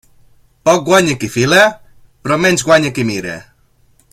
Poc guanya qui fila, però menys guanya qui mira.